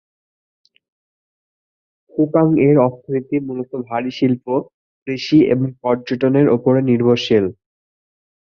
ফুকাংয়ের অর্থনীতি মূলত ভারী শিল্প, কৃষি এবং পর্যটনের উপর নির্ভরশীল।